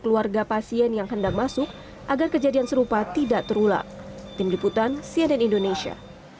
keluarga pasien yang hendak masuk agar kejadian serupa tidak terulang tim liputan cnn indonesia